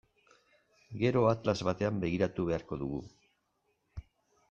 Gero atlas batean begiratu beharko dugu.